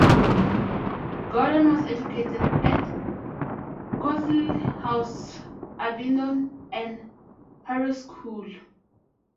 Gordon was educated at Cothill House, Abingdon, and Harrow School.